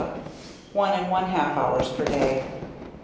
one and one half hours per day.